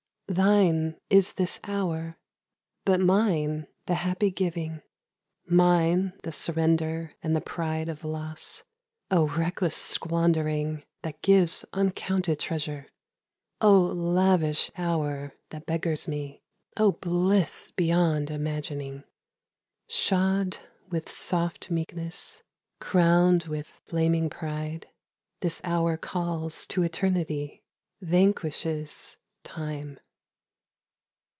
SONG. THINE is this hour But mine the happy giving, Mine the surrender and the pride of loss ; O reckless squandering That gives uncounted treasure, Oh lavish hour that beggars me, O bliss beyond imagining. Shod with soft meekness Crowned with flaming pride, This hour calls to Eternity, Vanquishes Time.